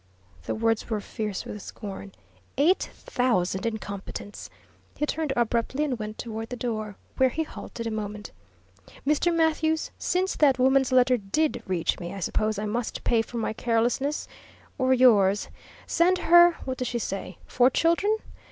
The words were fierce with scorn. "Eight thousand incompetents!" He turned abruptly and went toward the door, where he halted a moment. "Mr. Mathews, since that woman's letter did reach me, I suppose I must pay for my carelessness or yours. Send her what does she say four children?